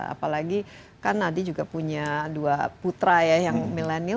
apalagi kan nadie juga punya dua putra ya yang milenial